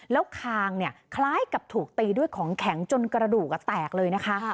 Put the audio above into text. แล้วคางคล้ายกับถูกตีด้วยของแข็งจนกระดูกแตกเลยนะคะ